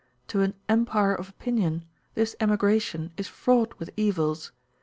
To an Empire of Opinion this emigration is fraught with evils.